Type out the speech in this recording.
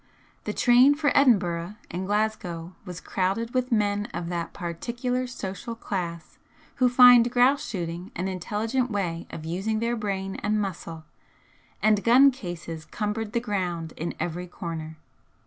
The train for Edinburgh and Glasgow was crowded with men of that particular social class who find grouse shooting an intelligent way of using their brain and muscle, and gun cases cumbered the ground in every corner.